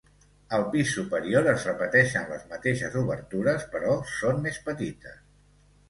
Al pis superior es repeteixen les mateixes obertures però són més petites.